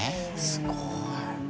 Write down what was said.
すごーい！